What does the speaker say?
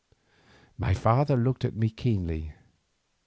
My father looked at me keenly.